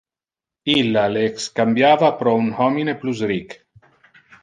Illa le excambiava pro un homine plus ric.